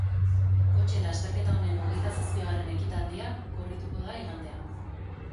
Kotxe lasterketa honen hogeita zazpigarren ekitaldia korrituko da igandean.